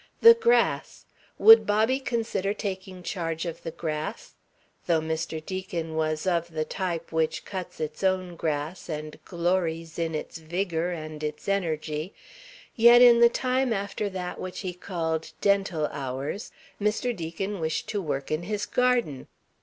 The grass. Would Bobby consider taking charge of the grass? Though Mr. Deacon was of the type which cuts its own grass and glories in its vigour and its energy, yet in the time after that which he called "dental hours" Mr. Deacon wished to work in his garden.